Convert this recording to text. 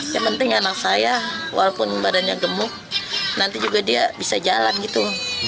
yang penting anak saya walaupun badannya gemuk nanti juga dia bisa jalan gitu